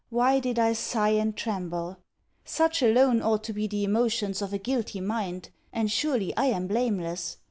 Why did I sigh and tremble? Such alone ought to be the emotions of a guilty mind, and surely I am blameless.